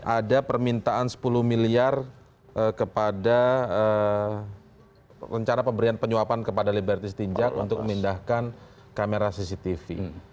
ada permintaan sepuluh miliar kepada rencana pemberian penyuapan kepada liberty stinjak untuk memindahkan kamera cctv